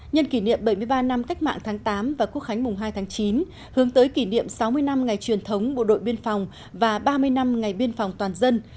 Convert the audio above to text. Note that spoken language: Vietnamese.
nhân kỷ niệm bảy mươi ba năm cách mạng tháng tám và quốc khánh mùng hai tháng chín hướng tới kỷ niệm sáu mươi năm ngày truyền thống bộ đội biên phòng và ba mươi năm ngày biên phòng toàn dân